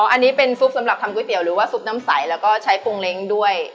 อันนี้เป็นซุปสำหรับทำก๋วเตี๋ยหรือว่าซุปน้ำใสแล้วก็ใช้ปรุงเล้งด้วย